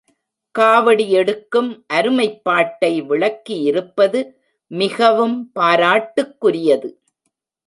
காவடி எடுக்கும் அருமைப்பாட்டை விளக்கியிருப்பது மிகவும் பாராட்டுக்குரியது.